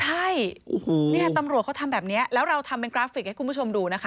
ใช่เนี่ยตำรวจเขาทำแบบนี้แล้วเราทำเป็นกราฟิกให้คุณผู้ชมดูนะคะ